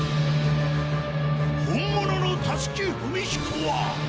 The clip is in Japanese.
・本物の立木文彦は。